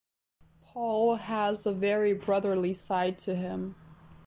Paul has a very brotherly side to him.